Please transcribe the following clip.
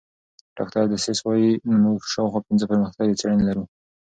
ډاکټر ډسیس وايي موږ شاوخوا پنځه پرمختللې څېړنې لرو.